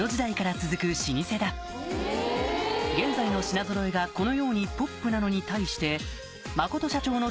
現在の品ぞろえがこのようにポップなのに対して。